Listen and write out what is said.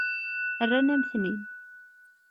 Rran-am-ten-id.